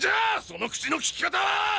その口のきき方は！？